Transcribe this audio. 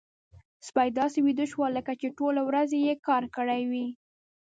سپی داسې ویده شو لکه چې ټولې ورځې يې کار کړی وي.